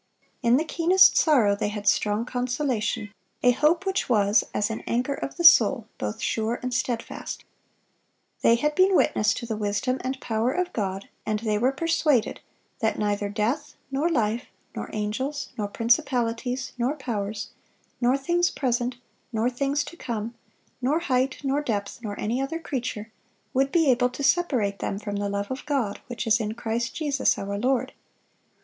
In the keenest sorrow they had "strong consolation," a hope which was as "an anchor of the soul, both sure and steadfast."(582) They had been witness to the wisdom and power of God, and they were "persuaded, that neither death, nor life, nor angels, nor principalities, nor powers, nor things present, nor things to come, nor height, nor depth, nor any other creature," would be able to separate them from "the love of God, which is in Christ Jesus our Lord."